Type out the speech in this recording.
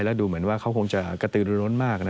แล้วดูเหมือนว่าเขาคงจะกระตือร้นมาก